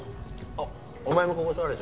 あっお前もここ座れ。